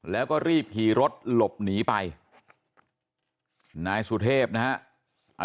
แล้วก็รีบขี่รถหลบหนีไปนายสุเทพนะฮะ